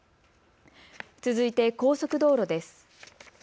続いて高速道路です。